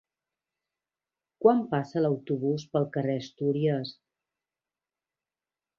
Quan passa l'autobús pel carrer Astúries?